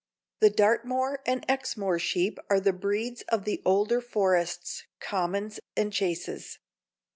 The Dartmoor and Exmoor sheep are "the breeds of the older forests, commons and chases."